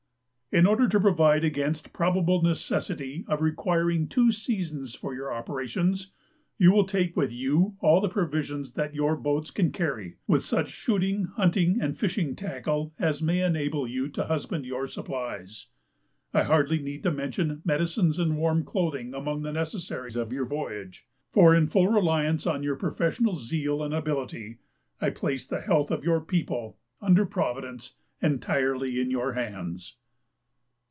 In order to provide against the probable necessity of requiring two seasons for your operations, you will take with you all the provisions that your boats can carry, with such shooting, hunting, and fishing tackle as may enable you to husband your supplies. I need hardly mention medicines and warm clothing among the necessaries of your voyage, for, in full reliance on your professional zeal and ability, I place the health of your people, under Providence, entirely in your hands.